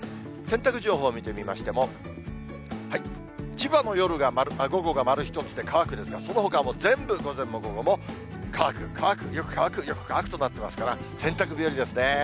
洗濯情報見てみましても、千葉の午後が丸１つで乾くですが、そのほか、全部、午前も午後も乾く、乾く、よく乾く、よく乾くとなってますから、洗濯日和ですね。